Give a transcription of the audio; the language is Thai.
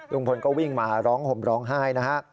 ลุงพลก็วิ่งมาร้องห่มร้องไห้นะฮะ